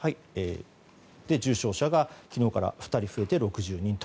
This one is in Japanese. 重症者が昨日から２人増えて６０人と。